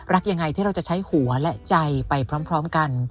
ยังไงที่เราจะใช้หัวและใจไปพร้อมกัน